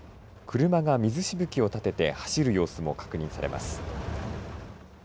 車が水しぶきを立てて走る様子も確認されます。